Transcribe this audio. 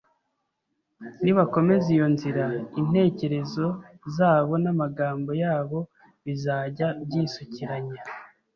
Nibakomeza iyo nzira, intekerezo zabo n’amagambo yabo bizajya byisukiranya